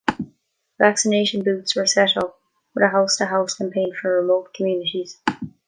Vaccination booths were set up, with a house-to-house campaign for remote communities.